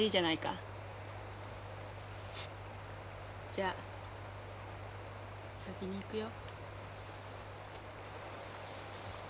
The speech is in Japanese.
じゃ先に行くよ。